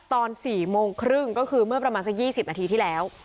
ตอน๔โมงครึ่งก็คือเมื่อประมาณสัก๒๐นาทีที่แล้ว